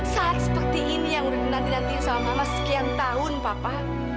saat seperti ini yang udah menantikan sama mama sekian tahun papa